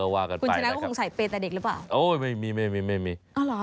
เออก็ว่ากันไปนะครับคุณชนะก็คงใส่เป็นแต่เด็กหรือเปล่า